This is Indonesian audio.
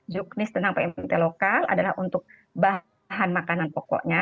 juknis tentang pmt lokal adalah untuk bahan makanan pokoknya